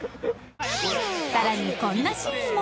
更にこんなシーンも。